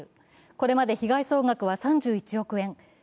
これまで被害総額は３１億円。